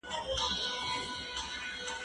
زه هره ورځ کتابتوننۍ سره وخت تېرووم؟